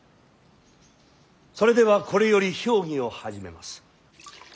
それではこれより評議を始めます。